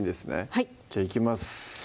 はいじゃあいきます